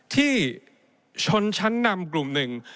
ที่ชนชั้นนำกลุ่มหนึ่ง